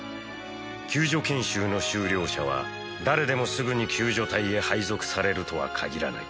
救助研修の修了者は誰でもすぐに救助隊へ配属されるとは限らない。